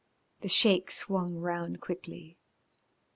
The Sheik swung round quickly.